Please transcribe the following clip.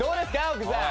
奥さん。